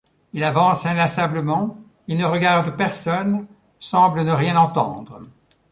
Il avance inlassablement, il ne regarde personne, semble ne rien entendre...